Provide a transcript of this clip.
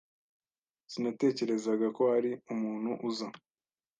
Sinatekerezaga ko hari umuntu uza.